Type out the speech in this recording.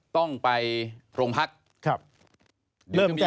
ต้องไปโรงพัก